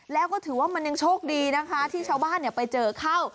แล้วก็ถือว่ามันยังโชคดีนะคะที่ชาวบ้านไปเจอเข้า